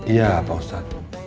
iya pak ustadz